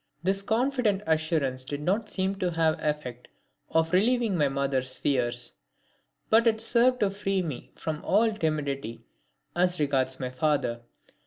This confident assurance did not seem to have the effect of relieving my mother's fears, but it served to free me from all timidity as regards my father.